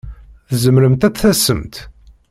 Tzemremt ad d-tasemt?